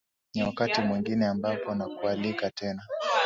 ni wakati mwingine ambapo nakualika tena